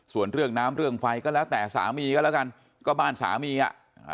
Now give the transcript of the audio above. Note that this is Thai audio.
ส่วนเรื่องน้ำเรื่องไฟก็แล้วแต่สามีก็แล้วกันก็บ้านสามีอ่ะอ่า